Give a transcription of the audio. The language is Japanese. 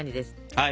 はい。